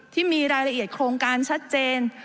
ที่มีรายละเอียดโครงการชัดเจน